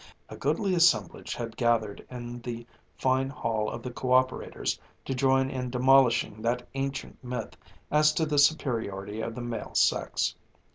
A goodly assemblage had gathered in the fine hall of the Co operators to join in demolishing that ancient myth as to the superiority of the male sex.